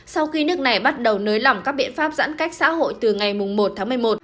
sau khi nước này bắt đầu nới lỏng các biện pháp giãn cách xã hội từ ngày một tháng một mươi một